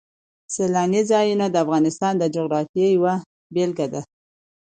سیلاني ځایونه د افغانستان د جغرافیې یوه بېلګه ده.